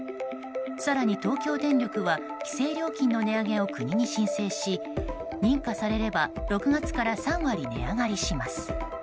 更に、東京電力は規制料金の値上げを国に申請し認可されれば６月から３割値上がりします。